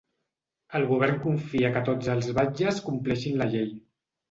El govern confia que tots els batlles compleixin la llei.